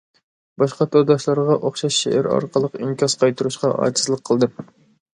باشقا تورداشلارغا ئوخشاش شېئىر ئارقىلىق ئىنكاس قايتۇرۇشقا ئاجىزلىق قىلدىم.